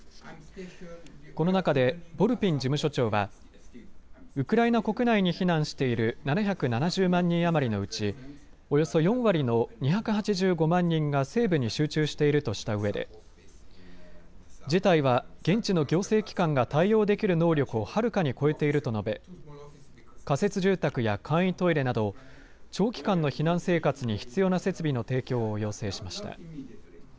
この中でボルピン事務所長はウクライナ国内に避難している７７０万人余りのうちおよそ４割の２８５万人が西部に集中しているとしたうえで事態は現地の行政機関が対応できる能力をはるかに超えていると述べ仮設住宅や簡易トイレなど長期間の避難生活に必要な設備の提供を要請しました。